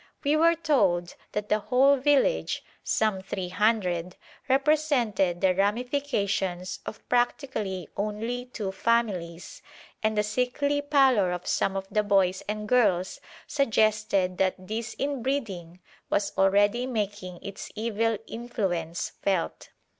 We were told that the whole village some three hundred represented the ramifications of practically only two families, and the sickly pallor of some of the boys and girls suggested that this inbreeding was already making its evil influence felt.